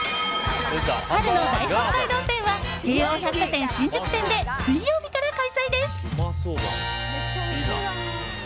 春の大北海道展は京王百貨店新宿店で水曜日から開催です。